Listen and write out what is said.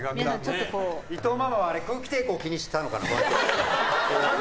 伊藤ママは空気抵抗気にしたのかな？